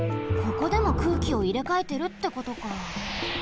ここでも空気をいれかえてるってことか。